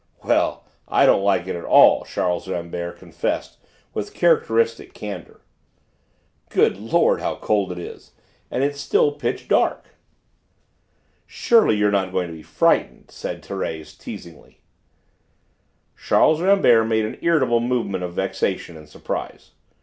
"Well, I don't like it at all," Charles Rambert confessed with characteristic candour. "Good Lord, how cold it is! And it is still pitch dark!" "Surely you are not going to be frightened?" said Thérèse teasingly. Charles Rambert made an irritable movement of vexation and surprise.